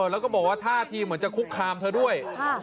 แล้วก็บอกว่าท่าทีเหมือนจะคุกคามเธอด้วย